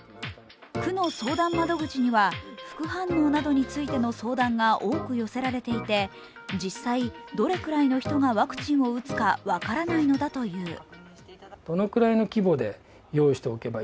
区の相談窓口には福反応についての相談が多く寄せられていて実際、どれくらいの人がワクチンを打つか分からないのだという。